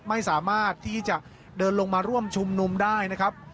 ไม่สามารถที่จะเดินลงมาร่วมชุมนุมได้นะครับ